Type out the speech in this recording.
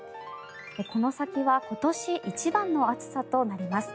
この先は今年一番の暑さとなります。